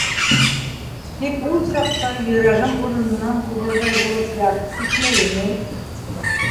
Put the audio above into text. Тик ул саҡта йөрәгем урынынан ҡубырҙай булып ярһып типмәй ине.